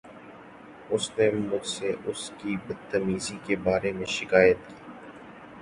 اُس نے مجھ سے اس کی بد تمیزی کے بارے میں شکایت کی۔